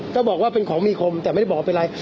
ก็บอกว่าเป็นของมีคมแต่ไม่ได้บอกเป็นไร